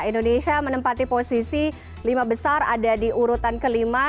indonesia menempati posisi lima besar ada di urutan kelima